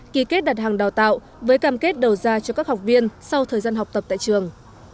ký kết đặt hàng đào tạo với cam kết đầu ra cho các học viên sau thời gian học tập tại trường